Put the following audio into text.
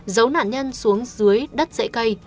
giấu nạn nhân xuống dưới đất dễ cây